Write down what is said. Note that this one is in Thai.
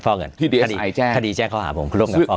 ฟอกเงินที่ดีเอสไอแจ้งคดีแจ้งเขาหาผมร่วมกันฟอก